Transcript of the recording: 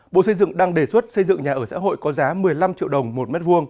bộ xây dựng đang đề xuất xây dựng nhà ở xã hội có giá một mươi năm triệu đồng một m hai